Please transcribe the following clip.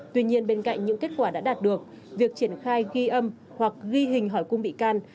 tuy nhiên bên cạnh những kết quả đã đạt được việc triển khai ghi âm hoặc ghi hình hỏi cung bị can